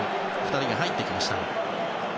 ２人が入ってきました。